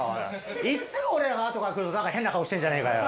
いっつも俺らがあとから来ると、なんか変な顔してんじゃねえかよ。